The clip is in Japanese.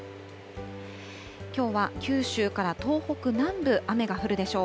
きょうは九州から東北南部、雨が降るでしょう。